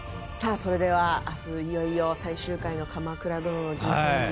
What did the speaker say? それでは明日いよいよ最終回の「鎌倉殿の１３人」。